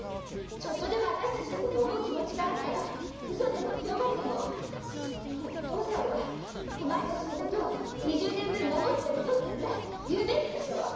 ちょっとでも私たちのこと思う気持ちがあるならウソでも強がりでも「お父さんはお前たちのことを２０年分守ってやるぞ」ってぐらい言うべきでしょう！？